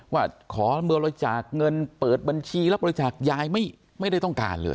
ว่าขอบริจาคเงินเปิดบัญชีรับบริจาคยายไม่ได้ต้องการเลย